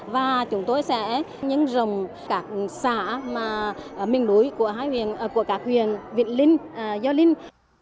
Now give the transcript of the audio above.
và chúng tôi sẽ nhân rồng các xã miền núi của các huyện vịnh linh do linh